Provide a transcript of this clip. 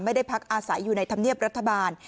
ไม่ได้พักอาศัยอยู่ในธรรมเนียบรัฐบาล